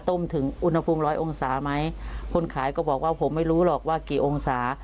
ถึงอุณหภูมิร้อยองศาไหมคนขายก็บอกว่าผมไม่รู้หรอกว่ากี่องศา